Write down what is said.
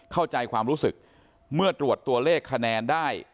เข้าใจความรู้สึกเมื่อตรวจตัวเลขคะแนนได้